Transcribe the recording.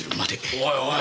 おいおい。